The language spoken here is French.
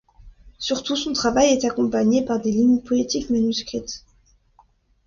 Surtout son travail est accompagné par des lignes poétiques manuscrites.